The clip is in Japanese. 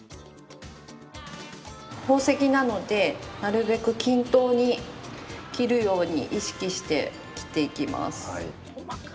宝石なのでなるべく均等に切るように意識して切っていきます。